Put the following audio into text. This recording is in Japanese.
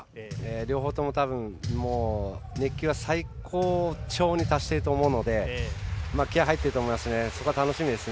両方とも、たぶん熱気は最高潮に達していると思うので気合い、入っていると思います。